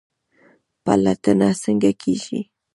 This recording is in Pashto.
پلټنه څنګه کیږي؟